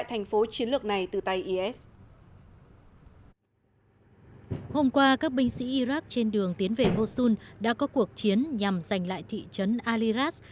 hôm qua các binh sĩ iraq trên đường tiến về mosul đã có cuộc chiến nhằm giành lại thị trấn al iras